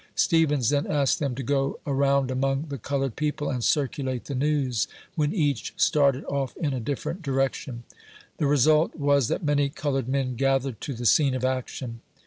Stevens then asked them to go around among the colored people and circulate the news, when each started off in a dif ferent direction. The result was that many colored men gath ered to the scene of action.